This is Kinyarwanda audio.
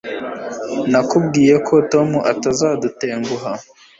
Nakubwiye ko Tom atazadutenguha